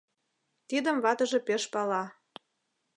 Тидым ватыже пеш пала.